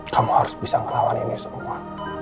kamu harus bisa melawan ini semua